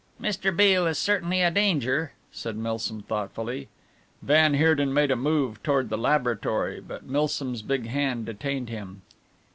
"Mr. Beale is certainly a danger," said Milsom thoughtfully. Van Heerden made a move toward the laboratory, but Milsom's big hand detained him.